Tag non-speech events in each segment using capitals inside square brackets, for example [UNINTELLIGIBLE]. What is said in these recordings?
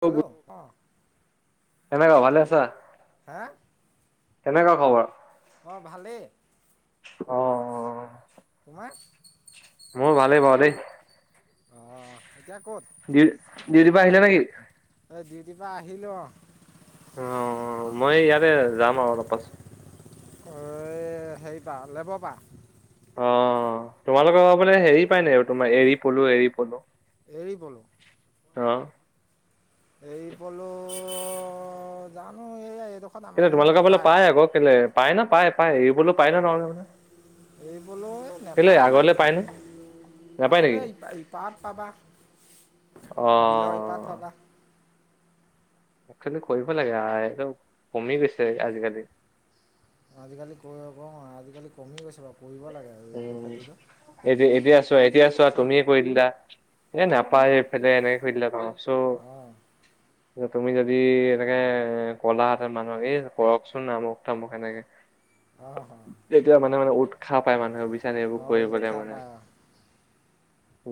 Hello অ কেনেকুৱা ভালে আছা? হা? কেনেকুৱা খবৰ? অঁ ভালেই। অ অ। তোমাক মোৰ ভালেই পাওঁ দেই অ। দি ডিউটি পা আহিলে নেকি? এই ডিউটিৰ পৰা আহিলোঁ অ অ মই ইয়াৰে যাম আৰু পাচত এই হেৰি পা লেব পা অ তোমালোকৰ মানে হেৰি পায় নাই আৰু তোমাৰ এৰি পলো এৰি পলো? এৰি আহ। এই পলো জানো এয়াই কেলে তোমালোকৰ বোলে পাই আকৌ কেলৈলে পাই ন পাই পায় এই বোলে পায় ন নহলে মানে এইবলৈ কেলে নোপায় আমাৰ আগলে পাই নে? দেখোন নাপায় নেকি? আগলৈ ই ইপাত পাবা বিলৰ ইপাত অ' পাবা। একচোৱেলি কৰিব লাগে এইটো কমি গৈছে আজিকালি আজিকালি কৈ ক আজিকালি কমি গৈছে বাৰু। কৰিব লাগে এৰি উ পলো খেতিটো এই এব আছ এতিয়া চোৱা তুমিয়ে কৰি দিলা এ নাপায় এইফালে এনেকে কৰি দিলা টোমাৰ অঁ চ তুমি যদি এনেকে এ গ'লাহঁতেৰ মানুহ এই কৰকচোন নমুক তামুক এনেকে। অঁ তেতিয়া মানে মানে উৎসাহ পায় মানুহে বু ন এইবোৰ অঁ অঁ কৰিবলৈ উৎসাহ মানে। পায় অঁ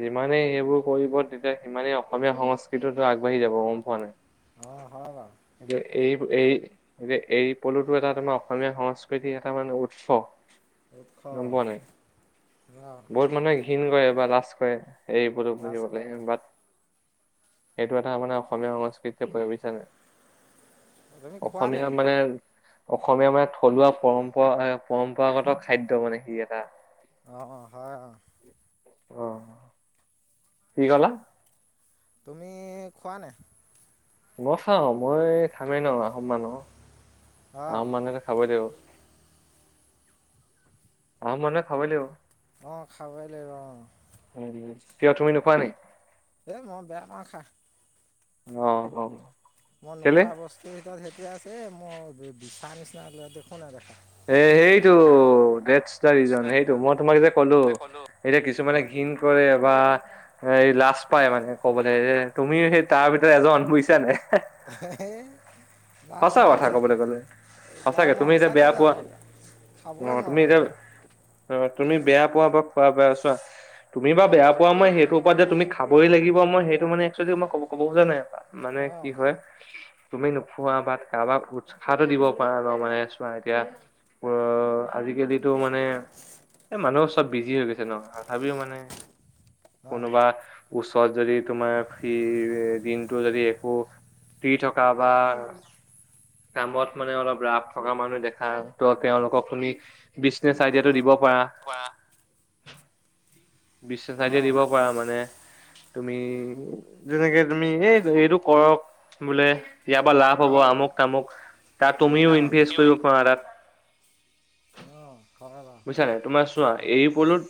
যিমানেই সেইবোৰ কৰিব তেতিয়া সিমানেই অসমীয়া সংস্কৃতিতো আগবাঢ়ি যাব গম পোৱা নাই? অ হয় বাৰু। এতিয়া এই যে এই পলুটো এটা তোমাৰ অসমীয়া সংস্কৃতিৰ এটা মানে উৎস উৎস গম পোৱা নাই অঁ বহুত মানুহে ঘিণ কৰে বা লাজ কৰে। সেই উপদ লাজ বহিব কৰে লাগ অঁ বাট এইটো এটা মানে অসমীয়া সংস্কৃতিতে পৰে বুজিছা নে নাই তুমি খোৱা নাই অসমীয়া মানে অসমীয়া মানে থলুৱা পৰম্পৰা- পৰম্পৰাগত খাদ্য মানে সি এটা অঁ হয় অ। আহ কি কলা তুমি খোৱা নে মই খাওঁ মই খামেই ন আহোম মানুহ, অঁ আহোম মানুহেত খাবই লাগিব। অ মন খাবাই লাগিব। অ খাবই লাগিব অ। উম, কিয় তুমি নোখোৱা নেকি? এ মই বেয়া পাওঁ খা অ অ। মই কেলে নোখোৱা বস্তুৰ ভিতৰত সেইটোৱে আছে, মই বিছা নিচিনা ল দেখো নাই দেখা সে সেইটো দে এক্সট্ৰা ৰিজন সেইটো মই তোমাক যেতিয়া ক'লো এতিয়া কিছুমানে অঁ ঘিণ কৰে বা এই লাজ পাই মানে কবলৈ এ তুমিও সেই তাৰ ভিতৰত এজন বুজিছা নাই এ বাৰ সঁচা মই কথা ক'বলৈ সঁচাকে গ'লে বাৰ সঁচাকে তুমি মই এতিয়া সঁচাকে বেয়া পোৱা পাওঁ খাবই অ নোৱাৰো তুমি মই এতিয়া সেটো অ তুমি বেয়া পোৱা বা খোৱা বেয়া চোৱা তুমি বা বেয়া পোৱা মই সেইটো ওপৰত যে তুমি খাবই লাগিব মই সেইটো মানে একশ্যলি মই কব ক'ব খোজা নাই, মানে সেইটো অঁ কি হয় তুমি নোখোৱা বা কাৰোবাক উৎসাহটো দিব পাৰা ন মানে চোৱা এতিয়া অ আজিকালিতো মানে এ মানুহ চব বিজি হৈ গৈছে ন তথাপিও মানে অঁ অঁ কোনোবা ওচ ত যদি তোমাৰ সি দিনটো যদি একো ফ্ৰী থকা বা কামত মানে অলপ ৰাপ থকা মানুহ দেখা ত' তেওঁলোকক তুমি বিজনেচ আইডিয়াটো দিব অঁ পাৰা। বিজনেছ অঁ অঁ আইডিয়া অঁ দিব পাৰা মানে তুমি যেনেকে তুমি এই এইটো কৰক বোলে ইয়াৰ পৰা লাভ হব হয় আমুক তামুক তাত তুমিও ইনভেষ্ট কৰিব পৰা তাত অ। বুজিছা নাই তোমাৰ চোৱা এৰি পলুত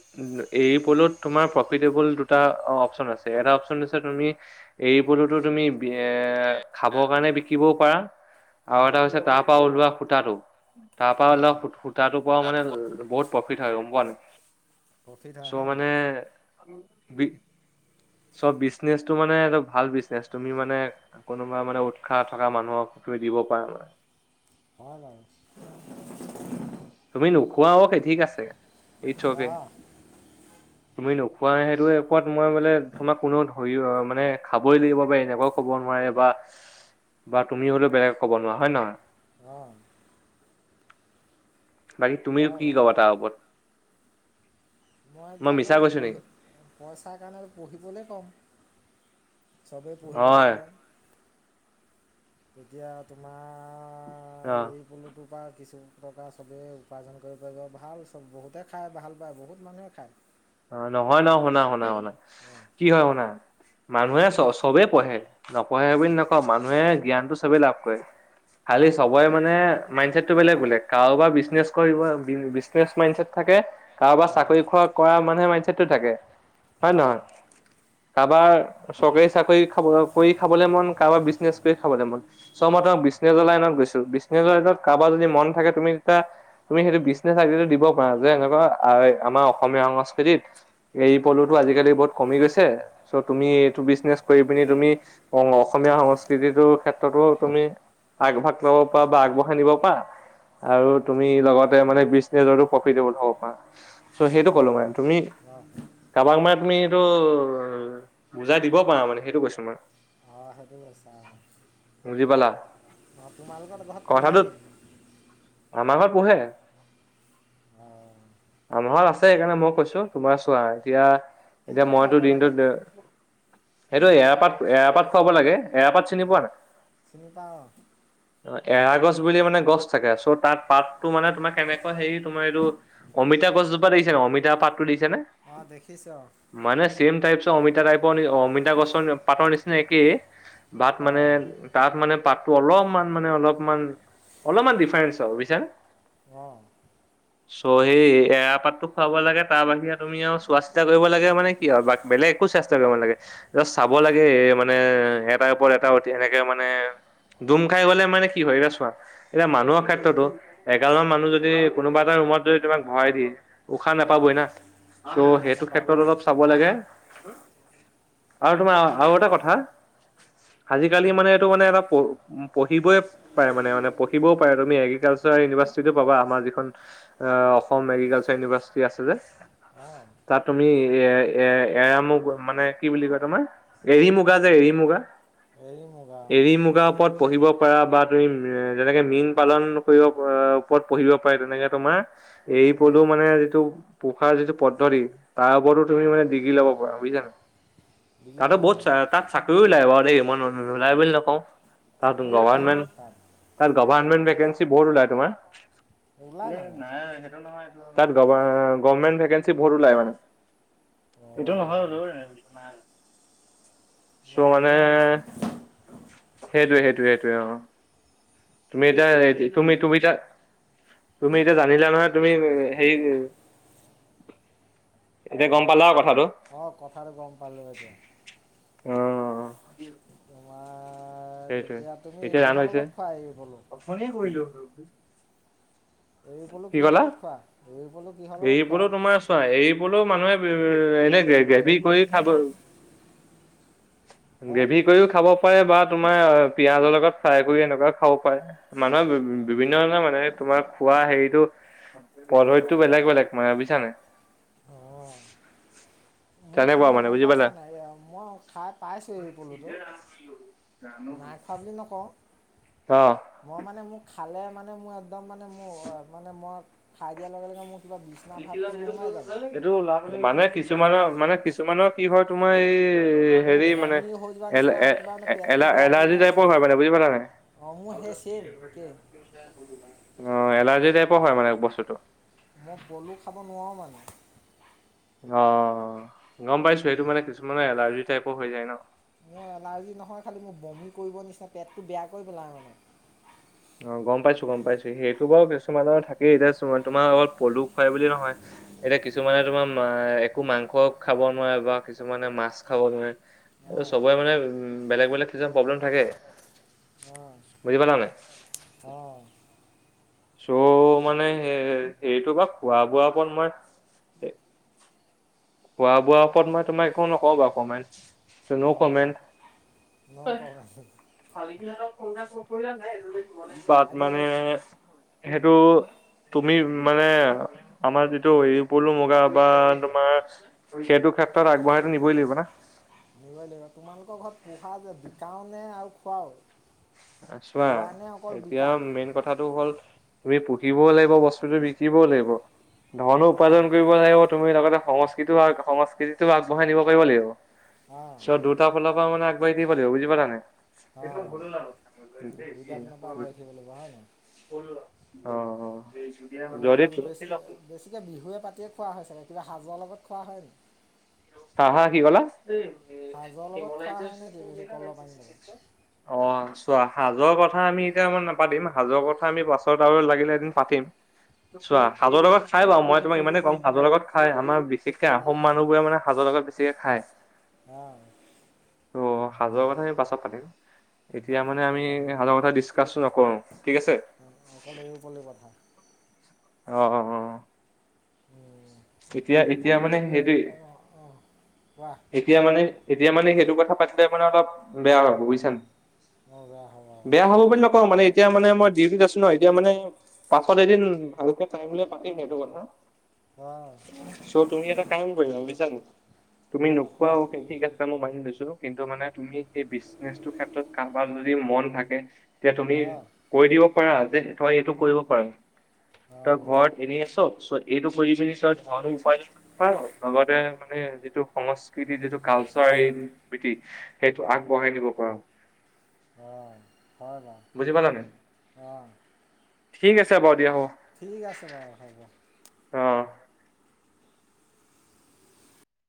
এই পলুত তোমাৰ প্ৰফিটেবল দুটা অপচন আছে এটা অপচন দিছে তুমি এই পলুতো তুমি এ খাবৰ কাৰণে বিকিবও পাৰা আৰু এটা অঁ হৈছে তাৰ পৰা ওলোৱা সূতাটো তাৰ পৰা অলপ অঁ সূ সূতাটোৰ পৰা মানে অঁ বহুত প্ৰফিট হয় গম পোৱা নাই? প্ৰফিট হয় চ' হয় নাই মানে বি চব বিজনেচটো মানে এইটো ভাল বিজনেচ তুমি মানে কোনোবা মানে উৎসাহ থকা মানুহক তুমি দিব পাৰা আমাৰ হয় হয়। [UNINTELLIGIBLE] কোৱা অকে ঠিক আছে, ইটচ অঁকে। অঁ তুমি নোখোৱাই সেইটোৱে একপত মই বোলে টো ধৰি অ মানে খাবই লাগিব বা এনেকুৱাও ক'ব নোৱাৰে বা বা তুমি হলেও বেয়া কব নোৱাৰা হয় নে নহয়? অ। বাকী তুমিও হয় কি বাৰু কবা তাৰ ওপৰত? মই এতিয়াতো মিছা কৈছো পঢ়ি নেকি? পইচাৰ কাৰণ পুহিবলে ক'ম। চবেই পুহিব হয় লাগে। তেতিয়া তোমাৰ অ এই পলুটোৰ পৰা কিছু টকা ছবেই উপাৰ্জন কৰিব পাৰিব ভাল চ বহুতে খায় ভাল পায় বহুত মানুহে খায়। অ নহয় ন, শুনা শুনা শুনা অঁ কি হয় শুনা অঁ মানুহে চ চবেই পঢ়ে, নপঢ়ে বুলি নকওঁ মানুহে জ্ঞানটো চবেই লাভ কৰে, খালি অঁ চবৱে মানে মাইণ্ড ছেটটো বেলেগ বেলেগ, কাৰোবাৰ বিজনেছ কৰিব বি বিজনেছ মাইণ্ড ছেট থাকে কাৰোবাৰ অঁ চাকৰি খোৱা কৰা মানুহে মাইণ্ড ছেটটো থাকে হয় নে অঁ নহয়? কাৰোবাৰ চৰকাৰী চাকৰি খাব কৰি খাবলে মন, কাৰোবাৰ বিজনেচ কৰি খাবলে মন চ মত বিজনেছ লাইনত গৈছো বিজনেছ লাইনত কাৰোবাৰ যদি মন থাকে তুমি তেতিয়া তুমি সেইটো বিজনেচৰ চাৰ্টিফিকেট দিব পাৰা যে এনেকুৱা আমাৰ অসমীয়া সংস্কৃতিত এই পলুটো আজিকালি বহুত কমি গৈছে চ' তুমি এইটো বিজনেচ কৰি পি তুমি অ অসমীয়া সংস্কৃতিটোৰ ক্ষেত্ৰতো তুমি আগভাগ লাব প বা আগবঢ়াই নিব পাৰা আৰু তুমি লগতে মানে বিজনেচতো প্ৰফিটবল হ'ব পাৰা। চ' সেইটো ক'লো অঁ অঁ মানে তুমি কাৰোবাক মাৰ তুমি বুজাই দিব পাৰা মানে সেইটো কৈছো মই। অঁ সেইটো কৈছা অ। বুজি পালা অ তোমালোকৰ ঘৰত পোহে কথাটো নি? আমাৰ ঘৰত পোহে। অ। আমাহত আছে সেইকাৰণে মই কৈছো তোমাৰ চোৱা এতিয়া কি এতিয়া কি মইতো খুৱাব লাগে দিনটোত সেইটো এৰাপাত এৰাপাত খুৱাব লাগে। এৰাপাত চিনি পোৱা নাই? চিনি পাওঁ অঁ অ এৰা গছ ছ বুলি মানে গছ থাকে চ' তাত পাতটো মানে তোমাৰ কেনেকুৱা হেৰি তোমাৰ এইটো অমিতা গছ জোপা দেখিছে? অমিতা পাতটো দেখিছে নে? অঁ দেখিছোঁ অঁ মনে ছেম টাইপ অমিতা টাইপৰ অমিতা গছৰ পাতৰ নিচিনা একেই বাত মানে হয় তাত মানে পাত টো অলপমান মানে অলপমান অলপমান ডিফাৰেন্ঞ্চ আৰু বুইছানে? অ। চ' সেই এৰা পাতো খুৱাব লাগে তাৰ বাহিৰে তুমি আৰু চোৱা চিতা কৰিব লাগে মানে কি আও, বেলেগ একো চেষ্টা কৰিব নালাগে। চাব লাগে মানে এটাৰ ওপৰত এটা উঠ সেনেকে মানে ডুম খাই গলে মানে কি হয় এতিয়া চোৱা এতিয়া মানুহৰ ক্ষেত্ৰতো এঘালমান মানুহ যদি কোনোবা এটা মত যদি তোমাক ভৰাই দিয়ে উশাহ অঁ অঁ নোপাবই না ত' উশাহ সেইটো নাপাব ক্ষেত্ৰত অলপ চাব লাগে আৰু তোমাৰ আৰু এটা কথা আজিকালি অঁ মানে এইটো মানে এটা পঢ়িবই পাৰে মানে মানে পঢ়িবও পাৰে তুমি এগ্ৰিকালচাৰ ইউভাৰ্চিটটো পাবা আমাৰ যিখন অসম এগ্ৰিকালচাৰ ইউনিভাৰ্চিটি আছে যে অঁ তাত তুমি এ এ এৰা মুগা মানে কি বুলি কয় তোমাৰ এৰী মুগা যে এৰী মুগা এৰি মুগা অঁ এৰি মুগাৰ ওপৰত পঢ়িব পাৰা বা তুমি যেনেকে মীন পালন কৰিব ওপৰত পঢ়িব পাৰা তেনেকে তোমাৰ এৰিপলো অঁ মানে যিটো পোহাৰ যিটো পদ্ধতি তাৰ ওপৰতো তুমি মানে ডিগ্ৰী ল'ব পাৰা বুজিছানে বিকি তাতো ল'ব বহুত পাৰি তাত চাকৰিও ওলাই বাৰু দেই মই নোলাই বুলি নকওঁ তাত চাকৰি ওলাই নি গভমেণ্ট তাত তাত গভমেণ্ট বেকেন্সি বহুত ওলায় তোমাৰ ওলাই মানে নাই সেইটো নহয় তাত গভমেণ্ট ভেকেঞ্চি বহুত ওলাই মানে এইটো নহয় অঁ বোলো চ মই মানে আজিহে শুনিছোঁ সেইটোৱে সেইটোৱে সেইটোৱে অ তুমি এতিয়া তুমি তুমি এ তা তুমি এতিয়া জানিলা নহয় তুমি হে এতিয়া অঁ গম পালা কথাটো অঁ কথাটো গম পালোঁ এতিয়া অ তোমাৰ সেইটোৱে তেতিয়া তুমি এতিয়া ৰান কিহৰ হৈছে লগত খোৱা এৰী পলু ওঠনিয়ে কৰিলো এৰি পলু কিহৰ লগত খোৱা এৰি পলু কিহৰ এৰি লগত পলু খোৱা? তোমাৰ চোৱা এৰি পলু মানুহে এনে গেভি কৰি খাব হা গ্ৰেভি কৰিও খাব পাৰে বা তোমাৰ পিয়াজৰ লগত ফ্ৰাই কৰি এনেকুৱা খাব পাৰে মানুহে বিভিন্ন ধৰণৰ মানে তোমাৰ খোৱা বা হেৰিটো পদ্ধতিটো বেলেগ বেলেগ মানে বুজিছানে [INAUDIBLE] মোক কি হয় মানে গম বুজি পাইছা পালা নাই মই খাই পাইছো এই পলুটো নাই খোৱা বুলি নকওঁ অ। মই মানে মোক খালে মানে মোৰ একদম মানে মোৰ মানে মই খাই দিয়াৰ লগে লগে মোৰ কিবা বিচনা ভাৱটো নোসোমাই জানো সটোও মানে কিছুমানৰ মানে কিছুমানৰ কি হয় তোমাৰ এই- মোৰ হেৰি মানে বমি হৈ যোৱা এ এ নিচিনা এ আৰু কিবা মানে পেটটো বেয়া কৰি এলাৰ্জি দিয়া নিচিনা টাইপৰ হয় মানে বুজি পালা নাই অঁ মোৰ অ সেই ছেইম একেই এলাৰ্জি টাইপৰ হয় মানে বস্তুটো মই পলু খাব নোৱাৰোঁ মানে অঁ গম পাইছো সেইটো মানে কিছুমানৰ এলাৰ্জি টাইপৰ হৈ যায় ন মোৰ এলাৰ্জি নহয় খালী মোক বমি কৰিবৰ নিচিনা পেটটো বেয়াকৈ পেলাই মানে অঅঁ গম পাইছো গম পাইছো সেইটো বাৰু কিছুমানৰ থাকেই এতিয়া তোমাৰ অকল পলু খুৱাই বুলি নহয় এতিয়া কিছুমানে তোমাৰ একো মাংস খাব নোৱাৰে বা কিছুমানে মাছ খাব নোৱাৰে এই অঁ চবৰে মানে উ বেলেগ বেলেগ কিছুমান প্ৰব্লেম থাকে অঁ বুজি পালানে? অঁ [UNINTELLIGIBLE] চ' মানে হ সেইটো বা খোৱা বোৱাৰ ওপৰত মই খোৱা বোৱাৰ ওপৰত মই তোমাক একো নকওঁ বাৰু কমেণ্ট নো অঁ কমেণ্ট নকওঁ [UNINTELLIGIBLE] তাত আজি মানে সেইটো তুমি মানে আমাৰ যিটো হেৰি পলো মুগা বা তোমাৰ সেইটো ক্ষেত্ৰত আগবঢ়াইটো নিবই লাগিব না নিবই তোমালোকৰ ঘৰত পোহা যে বিকাওঁ নে আৰু খুৱও চোৱা এতিয়া মেইন কথাটো হ'ল তুমি পুহিবও লাগিব বস্তুতটো বিকিবও লাগিব ধনো অঁ উপাৰ্জন কৰিব লাগিব তুমি লগতে সংস্কৃতিও সংস্কৃতিতো আগবঢ়াই নিব পৰিব লাগিব অঁ চ দুটা ফালৰ পৰা মানে আগবাঢ়ি থাকিব লাগিব বুজি পালা নাই এই অঁ ভুল দুইটা পিনৰ পৰা আগবাঢ়ি থাকিব লাগিব হয় নাই [UNINTELLIGIBLE] অঁ যদি বেছি বেছিকৈ বিহুৱে পাতিয়ে খোৱা হয় চাগে সাজৰ লগত খোৱা হয় নেকি? নহয় কি কলা সাজৰ লগত খোৱা হয় নেকি বেছি কলৰ পানীৰ লগত অঁ [UNINTELLIGIBLE] চোৱা সাজৰ কথা আমি এতিয়া নাপাতিম সাজৰ কথা আমি পাছত আৰু লাগিলে এদিন পাতিম চোৱা অঁ সাজৰ লগত খাই বাৰু মই তোমাক ইমানেই কম সাজৰ লগত খাই আমাৰ বিশেষকে আহোম অঁ মানুহবোৰে মানে ভুল আকৌ বেছিকে খায় হা অঁহ সাজোৱাৰ কথা আমি এই পাতিম অঁ এতিয়া মানে পাছত আমি পাতিম সাজৰ কথা ডিচকাচো নকৰো ঠিক আছে অঁ অকল এৰী পলুৰ কথা অঁহ অঁহ উ এই পুলিটো মানে বেয় সেইটোৱে নহ অঁ [UNINTELLIGIBLE] এতিয়া মানে এতিয়া মানে সেইটো কথা পাতিলে মানে অলপ বেয়া হ'ব বুজিছো নাই মজা হ'ব অঁ বেয়া হ'ব বুলি নকওঁ মানে এতিয়া মানে মই ডিউটিত আছো ন এতিয়া মানে পাছত এদিন ভালকে পাতিম সেইটো কথা চো তুমিএটা কাম কৰিবা বুজিছো নাই তুমি অঁ কোৱা নোখোৱাও কছ [UNINTELLIGIBLE] কিন্তু মানে তুমি সেই বিজনেছ ক্ষেত্ৰত কাৰবাৰ যদি মন থাকে এতিয়া তুমি অঁ কৈ দিব পাৰা যে তই এইটো কৰিব পাৰা তই অঁ ঘৰত এনে আছ চোৱা' এইটো কৰি পিনি ধণ উপাৰ্জন লগতে মানে যিটো সংস্কৃতি যিটো কালচাৰ ইনিটি সেইটো আগবঢ়াই নিব পাৰো অঁ হয় পালানে অঁহ ঠিক আছে বাৰু দিয়া হব ঠিক আছে বাৰু হ'ব অ